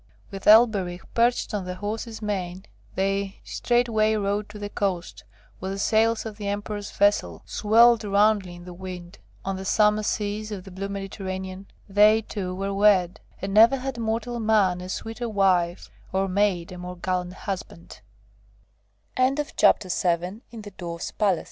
With Elberich perched on the horse's mane, they straightway rode to the coast, where the sails of the Emperor's vessel swelled roundly in the wind. On the summer seas of the blue Mediterranean, they two were wed; and never had mortal man a sweeter wife, or maid a more gall